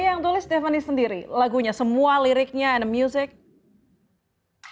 ini yang tulis stephanie sendiri lagunya semua liriknya dan musiknya